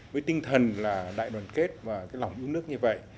với tinh thần là đại đoàn kết và cái lòng yêu nước như vậy